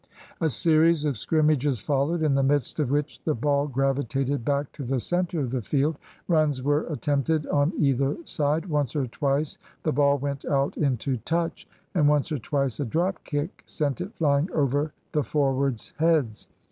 A series of scrimmages followed, in the midst of which the ball gravitated back to the centre of the field. Runs were attempted on either side; once or twice the ball went out into touch, and once or twice a drop kick sent it flying over the forwards' heads.